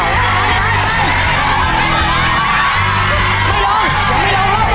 ไม่ล้มอย่าไม่ล้มอย่าล้ม